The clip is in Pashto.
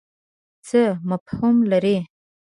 څه مفهوم لري.